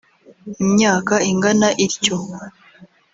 imyaka ingana ityo